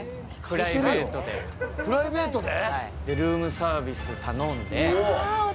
プライベートで？